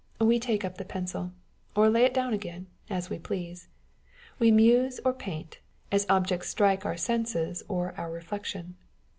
We take up the pencil, or lay it down again, as we please. We muse or paint, as objects strike our senses or our reflection.